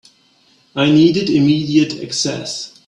I needed immediate access.